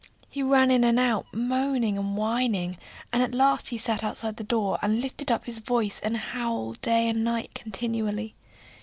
He ran in and out moaning and whining, and at last he sat outside the door and lifted up his voice and howled day and night continually.